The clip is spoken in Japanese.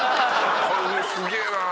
「これすげえな」